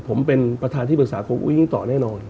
ผมเองกับคุณอุ้งอิ๊งเองเราก็รักกันเหมือนน้อง